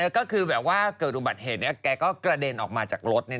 ก็คือแบบว่าเกิดอุบัติเหตุนี้แกก็กระเด็นออกมาจากรถ